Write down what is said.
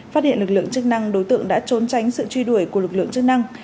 phát hiện lực lượng chức năng đối tượng đã trốn tránh sự truy đuổi của lực lượng chức năng